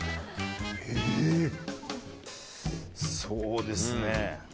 えっそうですね。